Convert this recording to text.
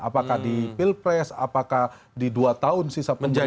apakah di pilpres apakah di dua tahun sisa penjabat